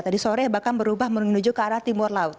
tadi sore bahkan berubah menuju ke arah timur laut